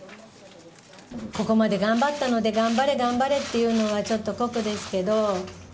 ここまで頑張ったので頑張れ、頑張れと言うのはちょっと酷ですけど。